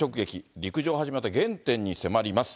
陸上を始めた原点に迫ります。